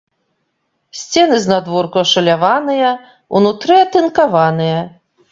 Сцены знадворку ашаляваныя, унутры атынкаваныя.